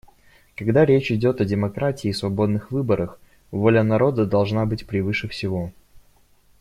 Когда речь идет о демократии и свободных выборах, воля народа должна быть превыше всего.